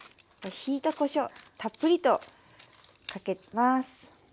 ひいたこしょうたっぷりとかけます。